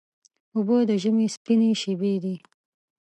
اوبه د ژمي سپینې شېبې دي.